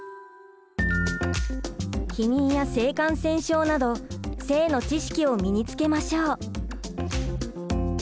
避妊や性感染症など性の知識を身につけましょう。